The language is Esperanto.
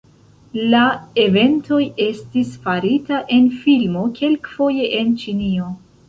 La eventoj estis farita en filmo kelkfoje en Ĉinio.